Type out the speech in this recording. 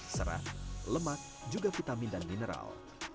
serat lemak juga vitamin dan mineral